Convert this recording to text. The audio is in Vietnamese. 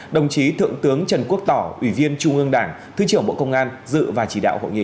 đồng chí thượng tướng trần quốc tỏ ủy viên trung ương đảng thứ trưởng bộ công an dự và chỉ đạo hội nghị